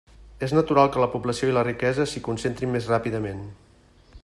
És natural que la població i la riquesa s'hi concentrin més ràpidament.